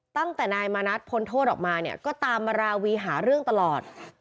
ตั้งแต่นายมานัดพ้นโทษออกมาเนี่ยก็ตามมาราวีหาเรื่องตลอด